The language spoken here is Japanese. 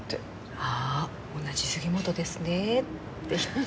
あー同じ杉本ですねって言って。